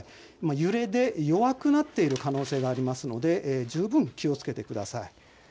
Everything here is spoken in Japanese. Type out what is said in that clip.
揺れで弱くなっている可能性がありますので十分、気をつけてください。